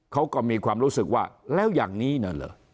เขาก็มีความรู้สึกว่าแล้วอย่างนี้นั่นเหรอ